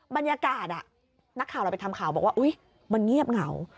บรรยากาศนักข่าวเราไปทำข่าวบอกว่าอุ๊ยมันเงียบเหงา